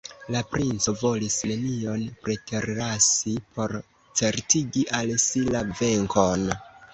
La princo volis nenion preterlasi por certigi al si la venkon.